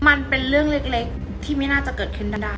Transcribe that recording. มันเป็นเรื่องเล็กที่ไม่น่าจะเกิดขึ้นได้